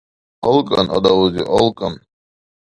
АлкӀан, адавзи, алкӀан.